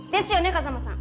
風真さん。